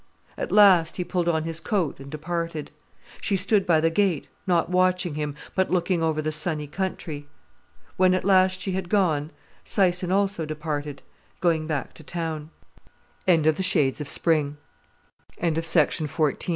At last he pulled on his coat and departed. She stood at the gate, not watching him, but looking over the sunny country. When at last she had gone, Syson also departed, going back to town. Second Best "Oh, I'm tired!" Frances exclaimed petula